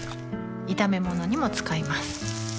炒め物にも使います